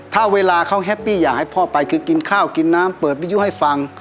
ถ้าเวลาเขาแฮปปี้อยากให้พ่อไปคือกินข้าวกินน้ำเปิดวิยุให้ฟัง